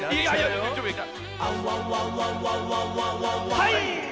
はい！